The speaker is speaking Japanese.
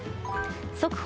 速報！